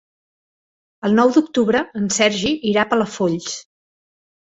El nou d'octubre en Sergi irà a Palafolls.